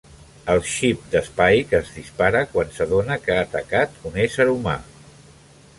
El xip de Spike es dispara quan s'adona que ha atacat un ésser humà.